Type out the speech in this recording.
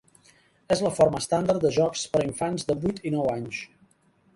És la forma estàndard de jocs per a infants de vuit i nou anys.